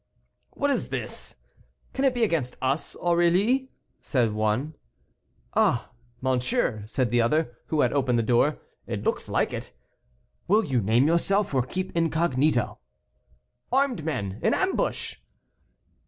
"What is this? Can it be against us, Aurilly?" said one. "Ah, monseigneur," said the other, who had opened the door, "it looks like it. Will you name yourself, or keep incognito?" "Armed men an ambush!"